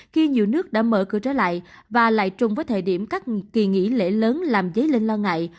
khi nhiều nước đã mở cửa trở lại và lại chung với thời điểm các kỳ nghỉ lễ lớn làm dấy lên lo ngại